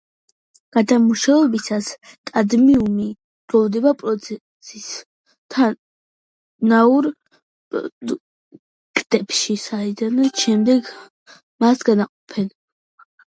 გადამუშავებისას კადმიუმი გროვდება პროცესის თანაურ პროდუქტებში, საიდანაც შემდეგ მას გამოჰყოფენ.